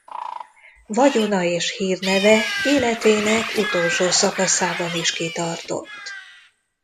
Vagyona és hírneve életének utolsó szakaszában is kitartott.